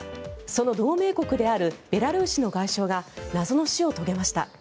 その同盟国であるベラルーシの外相が謎の死を遂げました。